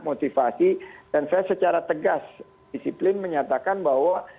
motivasi dan saya secara tegas disiplin menyatakan bahwa